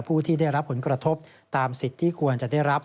ผู้ที่ได้รับผลกระทบตามสิทธิ์ที่ควรจะได้รับ